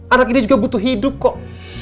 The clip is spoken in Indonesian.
anak ini juga butuh hidup kok